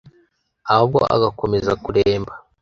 ahubwo agakomeza kuremba.